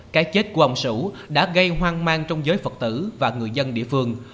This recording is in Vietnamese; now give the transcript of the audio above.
cái chết của ông sủ đã gây hoang mang trong giới phật tử và người dân địa phương